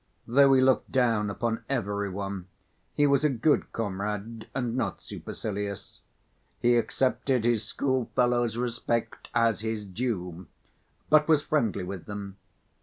Though he looked down upon every one, he was a good comrade and not supercilious. He accepted his schoolfellows' respect as his due, but was friendly with them.